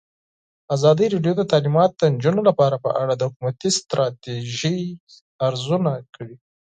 ازادي راډیو د تعلیمات د نجونو لپاره په اړه د حکومتي ستراتیژۍ ارزونه کړې.